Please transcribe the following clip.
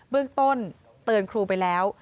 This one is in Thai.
เรื่องต้นเตือนครูไปแล้ว